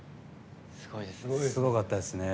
すごかったですね。